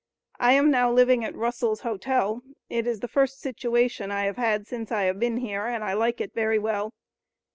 I am now living at Russell's Hotel; it is the first situation I have had since I have been here and I like it very well.